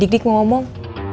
dik dik mau ngomong